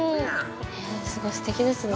◆すごいすてきですね。